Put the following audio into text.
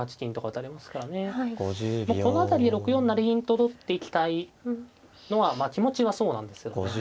この辺りで６四成銀と取っていきたいのはまあ気持ちはそうなんです。